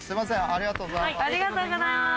ありがとうございます。